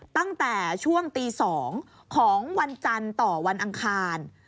ตั้งแต่ช่วงตี๒ของวันจันทร์ต่อวันอังคาร